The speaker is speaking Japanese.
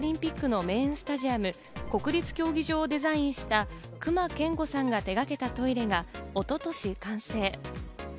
東京オリンピック・パラリンピックのメインスタジアム、国立競技場をデザインした、隈研吾さんが手がけたトイレが一昨年、完成。